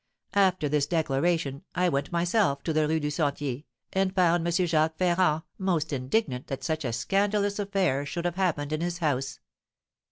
After this declaration I went myself to the Rue du Sentier, and found M. Jacques Ferrand most indignant that such a scandalous affair should have happened in his house.